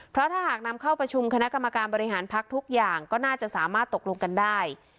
เพราะถ้าหากนำเข้าประชุมคณะกรรมการบริหารพักทุกอย่างก็น่าจะสามารถตกลงกันได้